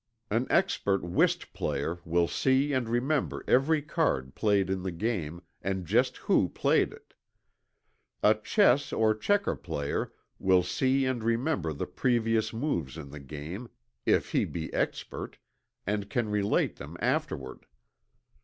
An expert whist player will see and remember every card played in the game, and just who played it. A chess or checker player will see and remember the previous moves in the game, if he be expert, and can relate them afterward.